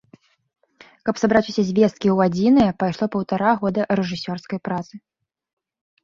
Каб сабраць усе звесткі ў адзінае пайшло паўтара года рэжысёрскай працы.